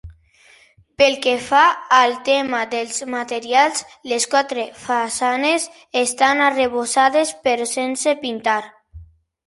Pel que fa al tema dels materials, les quatre façanes estan arrebossades però sense pintar.